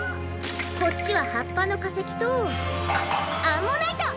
こっちははっぱのかせきとアンモナイト！